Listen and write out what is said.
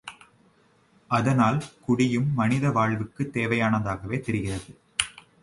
அதனால் குடியும் மனித வாழ்வுக்குத் தேவையானதாகவே தெரிகிறது.